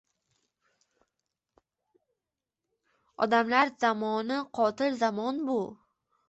Odamlar zamoni, qotil zamon bu!